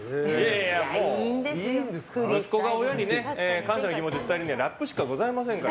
息子が親に感謝の気持ちを伝えるにはラップしかございませんから。